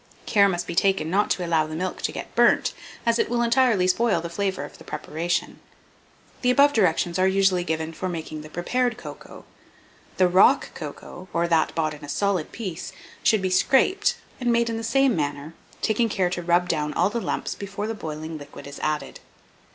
Care must be taken not to allow the milk to get burnt, as it will entirely spoil the flavour of the preparation. The above directions are usually given for making the prepared cocoa. The rock cocoa, or that bought in a solid piece, should be scraped, and made in the same manner, taking care to rub down all the lumps before the boiling liquid is added.